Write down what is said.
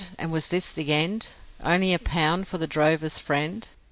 and was this the end Only a pound for the drover's friend.